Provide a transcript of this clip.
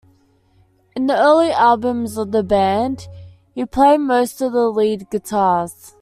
In the early albums of the band, he played most of the lead guitars.